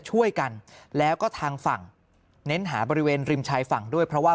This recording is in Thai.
ช่วยกันแล้วก็ทางฝั่งเน้นหาบริเวณริมชายฝั่งด้วยเพราะว่า